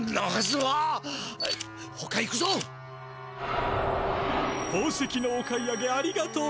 宝石のお買い上げありがとうございます。